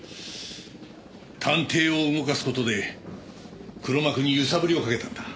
探偵を動かす事で黒幕に揺さぶりをかけたんだ。